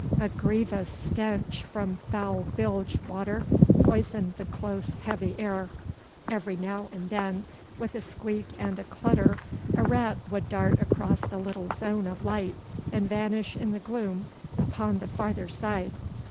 A grievous stench from foul bilge water poisoned the close, heavy air. Every now and then, with a squeak and a clutter, a rat would dart across the little zone of light and vanish in the gloom upon the further side.